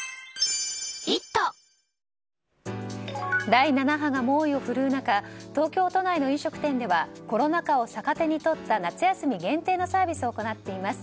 第７波が猛威を振るう中東京都内の飲食店ではコロナ禍を逆手に取った夏休み限定のサービスを行っています。